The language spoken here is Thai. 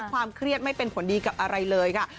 ความเครียดไม่เป็นผลดีกับอะไรเลยค่ะ